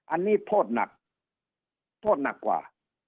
อันนี้โทษหนักโทษหนักกว่า